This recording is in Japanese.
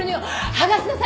剥がしなさい！